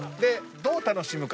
どう楽しむか。